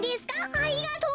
ありがとう。